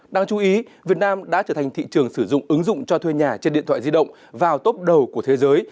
đáng chú ý việt nam đã trở thành thị trường sử dụng ứng dụng cho thuê nhà trên điện thoại di động vào tốp đầu của thế giới